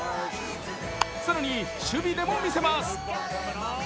更に守備でも見せます。